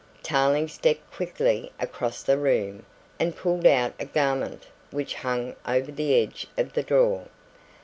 Tarling stepped quickly across the room and pulled out a garment which hung over the edge of the drawer.